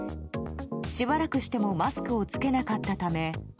しばらくしてもマスクを着けなかったため。